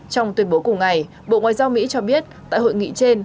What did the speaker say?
trong tuyên bố cùng ngày bộ ngoại giao mỹ cho biết tại hội nghị trên